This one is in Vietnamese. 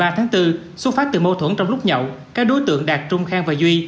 ba tháng bốn xuất phát từ mâu thuẫn trong lúc nhậu các đối tượng đạt trung khang và duy